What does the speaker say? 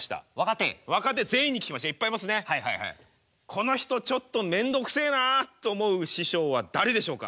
この人ちょっとめんどくせえなと思う師匠は誰でしょうか？